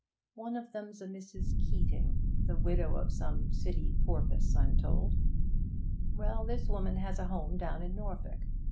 One of them's a Mrs. Keeting, the widow of some City porpoise, I'm told. Well, this woman has a home down in Norfolk.